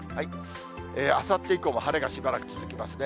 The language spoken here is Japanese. あさって以降も晴れがしばらく続きますね。